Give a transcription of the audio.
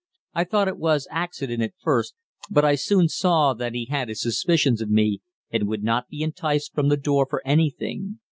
I thought it was accident at first, but I soon saw that he had his suspicions of me and would not be enticed from the door for anything.